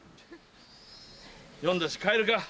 読んだし帰るか。